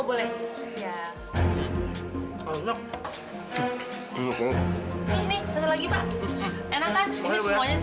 boleh pak ambil semuanya juga boleh